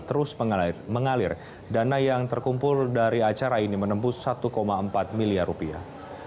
terus mengalir dana yang terkumpul dari acara ini menembus satu empat miliar rupiah